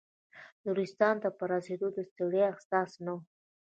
نورستان ته په رسېدو د ستړیا احساس نه و.